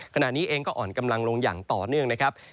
ขณะนี้เองก็อ่อนกำลังลงอย่างต่อเนื่องนะครับ